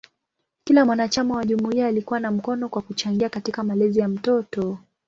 Kila mwanachama wa jumuiya alikuwa na mkono kwa kuchangia katika malezi ya mtoto.